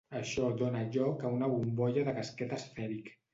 Això dóna lloc a una bombolla de casquet esfèric.